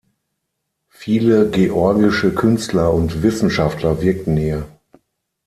Viele georgische Künstler und Wissenschaftler wirkten hier.